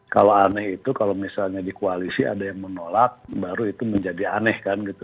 kalau aneh itu kalau misalnya di koalisi ada yang menolak baru itu menjadi aneh kan gitu